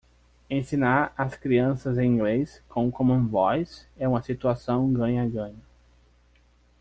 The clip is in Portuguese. Ensinar as crianças em inglês com Common Voice é uma situação ganha-ganha.